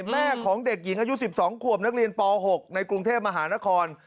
แม่ของเด็กหญิงอายุ๑๒ขวบนักเรียนป๖ในกรุงเทพมหานคร